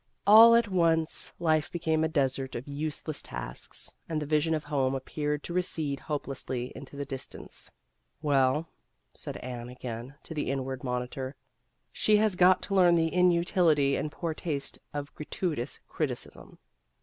All at once, life became a desert of useless tasks, and the vision of home appeared to recede hopelessly into the distance. " Well," said Anne again to the inward monitor, " she has got to learn the inutility and poor taste of gratuitous criticism."